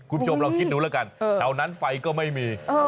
คุณผู้ชมลองคิดดูแล้วกันแถวนั้นไฟก็ไม่มี